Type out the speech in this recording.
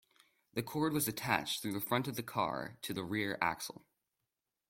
The cord was attached through the front of the car to the rear axle.